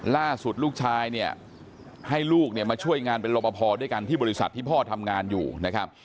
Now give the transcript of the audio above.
ล่าสุดลูกชายเนี่ยให้ลูกเนี่ยมาช่วยงานเป็นรบพอด้วยกันที่บริษัทที่พ่อทำงานอยู่นะครับ